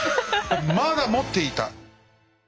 まだ持っていた。